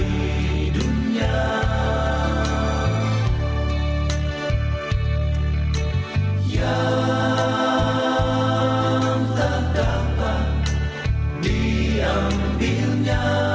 ia hanya dengan member kenny